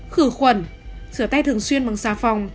khử khuẩn sửa tay thường xuyên bằng xa phòng